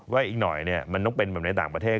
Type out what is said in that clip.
อีกหน่อยมันต้องเป็นแบบในต่างประเทศ